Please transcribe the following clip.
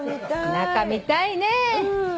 中見たいね。